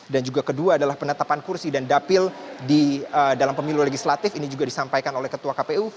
dan juga kedua adalah penetapan kursi dan dapil di dalam pemilu legislatif ini juga disampaikan oleh ketua kpu